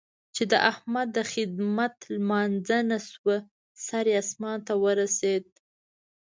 چې د احمد د خدمت لمانځه شوه؛ سر يې اسمان ته ورسېد.